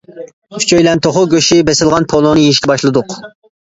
ئۈچەيلەن توخۇ گۆشى بېسىلغان پولۇنى يېيىشكە باشلىدۇق.